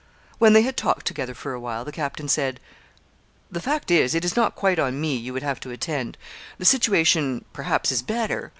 When they had talked together for a while, the captain said 'The fact is, it is not quite on me you would have to attend; the situation, perhaps, is better.